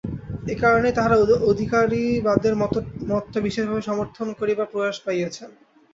এই কারণেই তাঁহারা অধিকারিবাদের মতটা বিশেষভাবে সমর্থন করিবার প্রয়াস পাইয়াছেন।